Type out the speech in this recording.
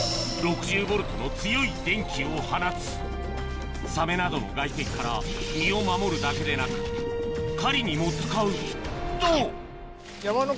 ６０ボルトの強い電気を放つサメなどの外敵から身を守るだけでなく狩りにも使うと！